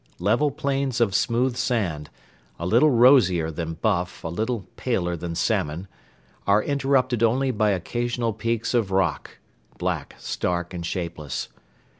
Level plains of smooth sand a little rosier than buff, a little paler than salmon are interrupted only by occasional peaks of rock black, stark, and shapeless.